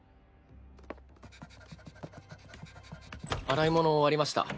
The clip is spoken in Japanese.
洗い物終わりました。